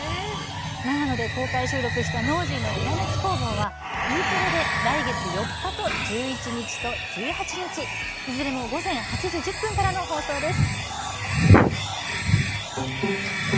長野県で公開収録した「ノージーのひらめき工房」はＥテレで来月４日と１１日と１８日でいずれも朝８時１０分からです。